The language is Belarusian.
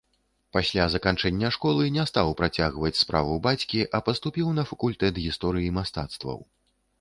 Пасля заканчэння школы не стаў працягваць справу бацькі, а паступіў на факультэт гісторыі мастацтваў.